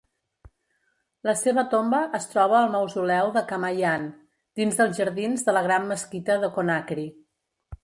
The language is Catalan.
La seva tomba es troba al Mausoleu de Camayanne, dins dels jardins de la Gran Mesquita de Conakry.